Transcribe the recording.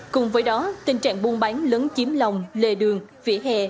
cùng với đó tình trạng buôn bán lớn chiếm lồng lề đường vỉa hè